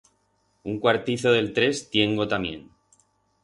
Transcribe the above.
Un cuartizo d'el tres tiengo tamién.